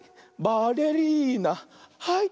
「バレリーナ」はい。